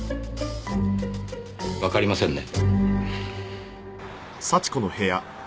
わかりませんね。